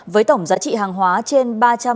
với tổng giá trị hàng hóa trên